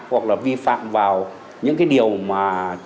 hoặc là vi phạm vào những cái điều mà